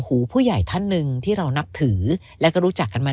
ผู้ใหญ่ท่านหนึ่งที่เรานับถือและก็รู้จักกันมา